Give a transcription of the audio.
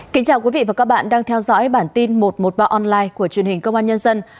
kính chào quý vị và các bạn đang theo dõi bản tin một trăm một mươi ba online của truyền hình công an nhân dân